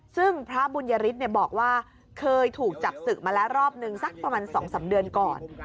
ซึ่งพระบุญยฤทธิ์บอกว่าเคยถูกจับศึกมาแล้วรอบนึงสักประมาณ๒๓เดือนก่อน